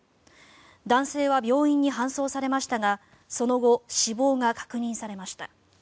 男性は病院に搬送されましたがその後、死亡が確認されました。